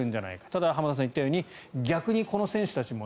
ただ、浜田さんが言ったように逆にこの選手たちも